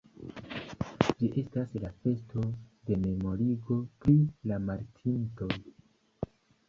Ĝi estas la festo de memorigo pri la mortintoj.